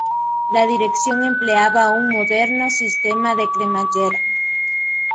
La dirección empleaba un moderno sistema de cremallera.